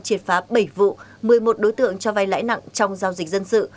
triệt phá bảy vụ một mươi một đối tượng cho vay lãi nặng trong giao dịch dân sự